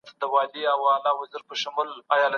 دا ماډل پرمختللي چېپونه لږ کاروي.